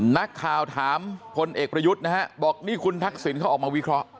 นักข่าวถามพลเอกประยุทธ์นะฮะบอกนี่คุณทักษิณเขาออกมาวิเคราะห์